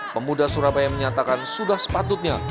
pemuda surabaya menyatakan sudah sepatutnya